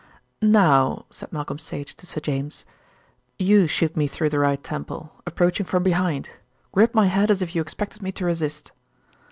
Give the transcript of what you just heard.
"Now," said Malcolm Sage to Sir James. "You shoot me through the right temple, approaching from behind. Grip my head as if you expected me to resist."